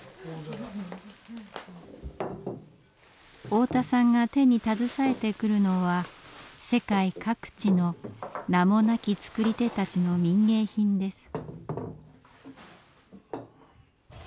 太田さんが手に携えてくるのは世界各地の名もなき作り手たちの民藝品です。